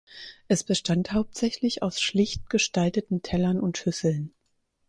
Es bestand hauptsächlich aus schlicht gestalteten Tellern und Schüsseln.